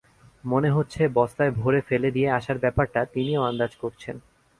মনে হচ্ছে বস্তায় ভরে ফেলে দিয়ে আসার ব্যাপারটা তিনিও আন্দাজ করছেন।